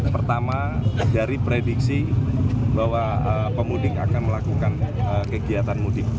pertama dari prediksi bahwa pemudik akan melakukan kegiatan mudik